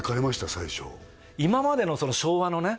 最初今までのその昭和のね